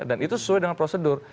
dan itu sesuai dengan prosedur